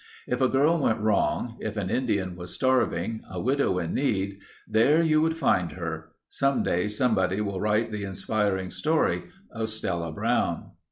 If a girl went wrong; if an Indian was starving; a widow in need—there you would find her. Some day somebody will write the inspiring story of Stella Brown.